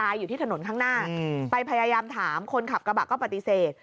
อยู่ที่ถนนข้างหน้าไปพยายามถามคนขับกระบะก็ปฏิเสธ